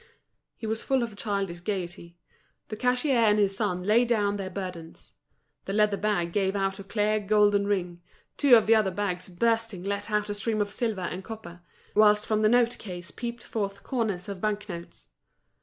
He was full of a childish gaiety. The cashier and his son laid down their burdens. The leather bag gave out a clear, golden ring, two of the other bags bursting let out a stream of silver and copper, whilst from the note case peeped forth corners of bank notes.